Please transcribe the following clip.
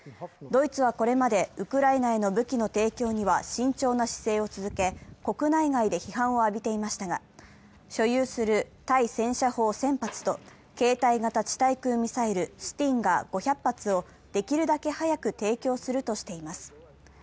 ドイツはこれまでウクライナへの武器の提供には慎重な姿勢を続け国内外で批判を浴びていましたが、所有する対戦車砲１０００発と携帯型地対空ミサイル、スティンガー５００発をできるだけ早く提供するとしています。